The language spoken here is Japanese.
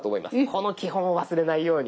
この基本を忘れないように。